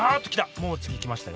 もう次来ましたよ